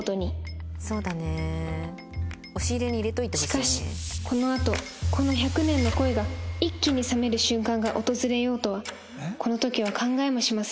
しかしこのあとこの１００年の恋が一気に冷める瞬間が訪れようとはこの時は考えもしませんでした